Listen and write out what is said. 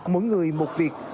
mỗi người một việc